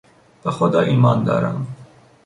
به خدا ایمان دارم.